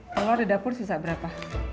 kalau ada dapur susah berapa